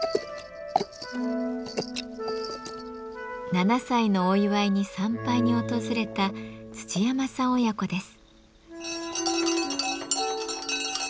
７歳のお祝いに参拝に訪れた土山さん親子です。